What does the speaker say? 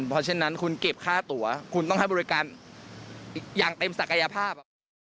เพราะฉะนั้นคุณเก็บค่าตัวคุณต้องให้บริการอย่างเต็มศักยภาพ